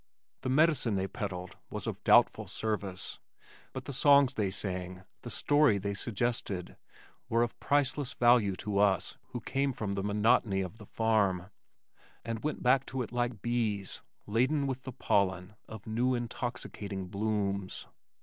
The medicine they peddled was of doubtful service, but the songs they sang, the story they suggested were of priceless value to us who came from the monotony of the farm, and went back to it like bees laden with the pollen of new intoxicating blooms.